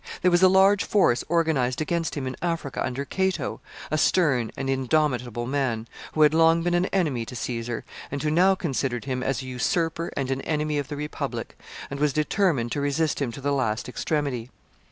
There was a large force organized against him in Africa under Cato, a stern and indomitable man, who had long been an enemy to Caesar, and who now considered him as a usurper and an enemy of the republic, and was determined to resist him to the last extremity.